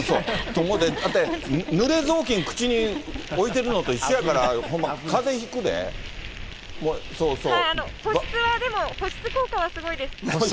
だってぬれ雑巾口に置いてるのと一緒やから、ほんま、保湿効果はすごいです。